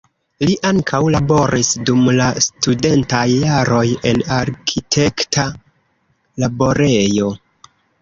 Li ankaŭ laboris dum la studentaj jaroj en arkitekta laborejo.